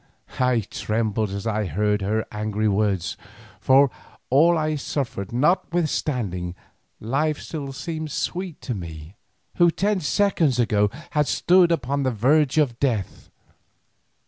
I trembled as I heard her angry words, for, all I suffered notwithstanding, life still seemed sweet to me, who, ten seconds ago, had stood upon the verge of death.